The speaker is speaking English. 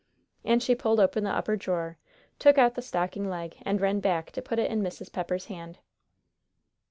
And she pulled open the upper drawer, took out the stocking leg, and ran back to put it in Mrs. Pepper's hand.